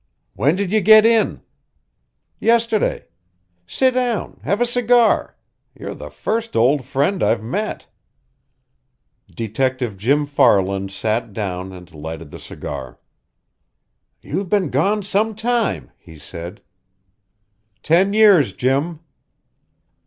"When did you get in?" "Yesterday. Sit down. Have a cigar. You're the first old friend I've met!" Detective Jim Farland sat down and lighted the cigar. "You've been gone some time," he said. "Ten years, Jim."